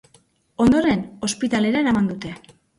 Ondoren ospitalera eraman dute.